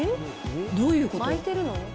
どういうこと？